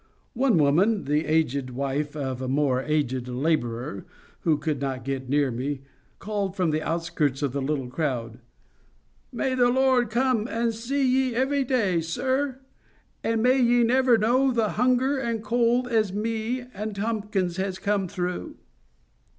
One woman, the aged wife of a more aged labourer, who could not get near me, called from the outskirts of the little crowd— "May the Lord come and see ye every day, sir. And may ye never know the hunger and cold as me and Tomkins has come through."